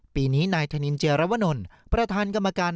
ปีนี้นายธนินเจียรวนลประธานกรรมการ